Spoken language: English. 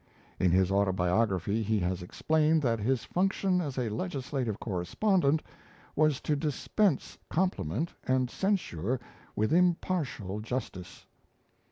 In his Autobiography he has explained that his function as a legislative correspondent was to dispense compliment and censure with impartial justice.